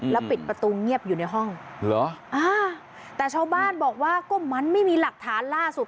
แล้วปิดประตูเงียบอยู่ในห้องเหรออ่าแต่ชาวบ้านบอกว่าก็มันไม่มีหลักฐานล่าสุด